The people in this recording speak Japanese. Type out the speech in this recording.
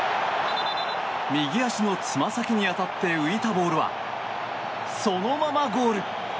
右足のつま先に当たって浮いたボールはそのままゴール。